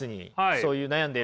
そういう悩んでいる。